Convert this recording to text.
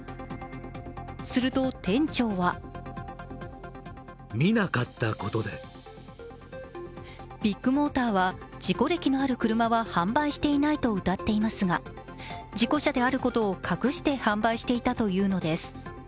すると店長はビッグモーターは事故歴のある車は販売していないとうたっていますが事故車であることを隠して販売していたというのです。